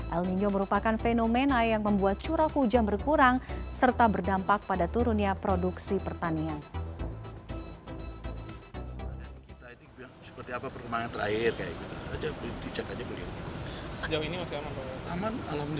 el nino merupakan fenomena yang membuat curah hujan berkurang serta berdampak pada turunnya produksi pertanian